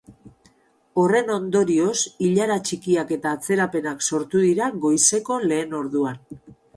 Horren ondorioz, ilara txikiak eta atzerapenak sortu dira goizeko lehen orduan.